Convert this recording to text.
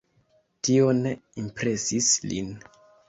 Tio ne impresis lin.